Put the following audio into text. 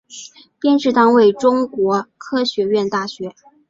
编制单位中国科学院大学